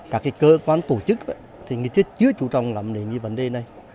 các cơ quan tổ chức chưa chú trọng lắm đến vấn đề này